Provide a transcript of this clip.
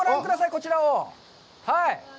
こちらを。